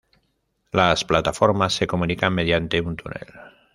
Las plataformas se comunican mediante un túnel.